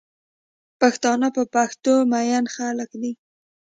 پښتانه په پښتو مئین خلک دی